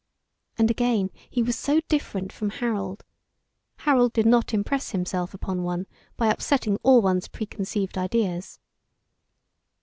And again he was so different from Harold; Harold did not impress himself upon one by upsetting all one's preconceived ideas.